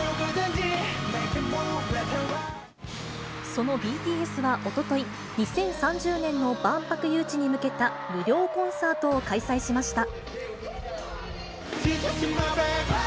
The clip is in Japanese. そのＢＴＳはおととい、２０３０年の万博誘致に向けた無料コンサートを開催しました。